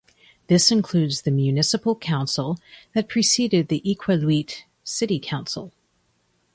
This includes the municipal council that preceded the Iqaluit City Council.